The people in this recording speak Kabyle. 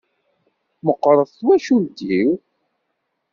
Meqqret twacult-iw.